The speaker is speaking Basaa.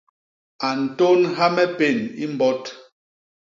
A ntônha me pén i mbôt.